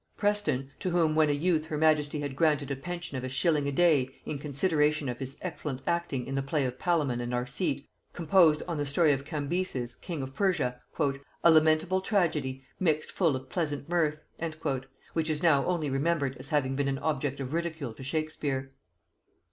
Preston, to whom when a youth her majesty had granted a pension of a shilling a day in consideration of his excellent acting in the play of Palamon and Arcite, composed on the story of Cambyses king of Persia "A lamentable tragedy mixed full of pleasant mirth," which is now only remembered as having been an object of ridicule to Shakespeare.